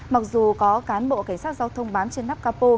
mặc dù có cán bộ cảnh sát giao thông bám trên nắp capo